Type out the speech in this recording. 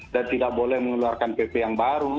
dan tidak boleh mengeluarkan pp yang baru